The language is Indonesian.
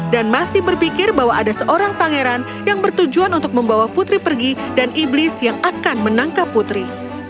dan masih berpikir bahwa ada seorang pangeran yang bertujuan untuk membawa putri pergi dan iblis yang akan menangkap putri